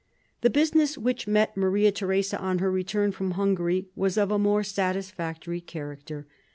The business which met Maria Theresa on her return from Hungary was of a more satisfactory character.